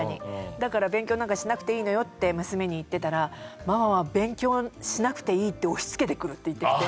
だから勉強なんかしなくていいのよって娘に言ってたらママは勉強しなくていいって押しつけてくるって言ってきて。